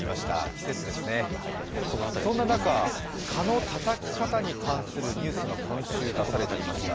季節ですね、そんな中、蚊のたたきかたに関するニュースが今週出されていました。